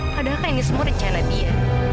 padahal kan ini semua rencana dia